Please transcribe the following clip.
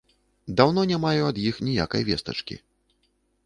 Даўно не маю ад іх ніякай вестачкі.